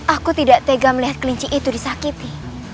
aku tidak tega melihat kelinci itu disakiti